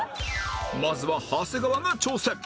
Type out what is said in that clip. まずは長谷川が挑戦